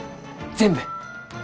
全部！？